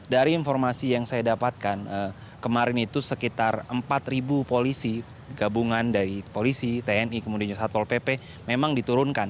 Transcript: dari informasi yang saya dapatkan kemarin itu sekitar empat polisi gabungan dari polisi tni kemudian juga satpol pp memang diturunkan